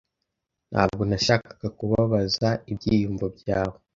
Ntabwo nashakaga kubabaza ibyiyumvo byawe.